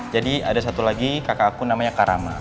jadi ada satu lagi kakak aku namanya karama